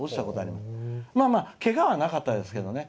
けがはなかったですけどね。